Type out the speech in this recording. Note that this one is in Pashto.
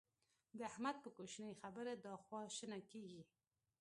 د احمد په کوشنۍ خبره خوا شنه کېږي.